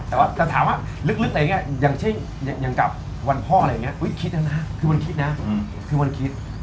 แต่ถามว่าอย่างเช่นวันพ่อคือคิดนะครับ